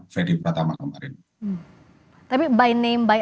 freddy pratama kemarin tapi by name by